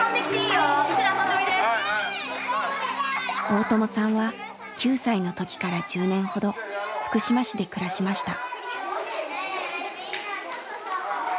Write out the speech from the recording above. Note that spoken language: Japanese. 大友さんは９歳の時から１０年ほど福島市で暮らしました。